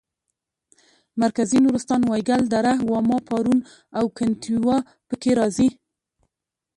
مرکزي نورستان وایګل دره واما پارون او کنتیوا پکې راځي.